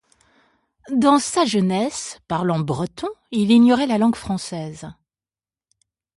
Dans sa jeunesse, parlant breton, il ignorait la langue française.